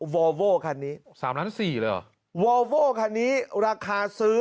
วอร์โวคันนี้สามล้านสี่เลยอ่ะวอร์โวคันนี้ราคาซื้อ